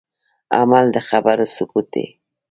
عمل د خبرو ثبوت دی